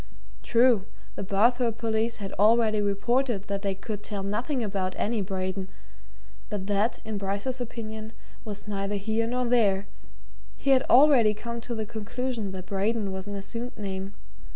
True, the Barthorpe police had already reported that they could tell nothing about any Braden, but that, in Bryce's opinion, was neither here nor there he had already come to the conclusion that Braden was an assumed name.